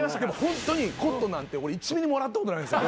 ホントにコットンなんて俺１ｍｍも笑ったことないんですよ。